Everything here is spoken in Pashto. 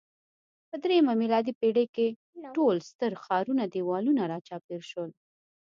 په درېیمه میلادي پېړۍ کې ټول ستر ښارونه دېوالونو راچاپېر شول